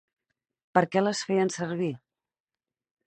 Per què les feien servir?